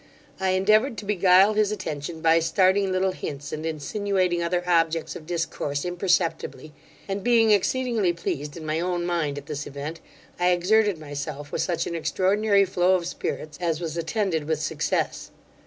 I endeavoured to beguile his attention by starting little hints and insinuating other objects of discourse imperceptibly; and being exceedingly pleased in my own mind at this event, I exerted myself with such an extraordinary flow of spirits as was attended with success.